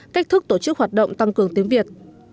cách thức tổ chức hoạt động tăng cường tiếng việt